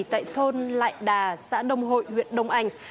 tại thôn lại đà xã đông hội huyện đông anh